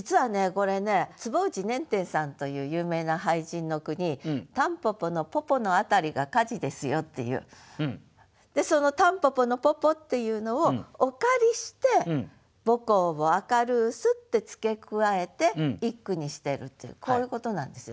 これね坪内稔典さんという有名な俳人の句に「たんぽぽのぽぽのあたりが火事ですよ」っていうその「たんぽぽのぽぽ」っていうのをお借りして「母校を明るうす」って付け加えて一句にしてるっていうこういうことなんですよ。